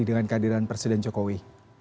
dengan keadilan presiden jokowi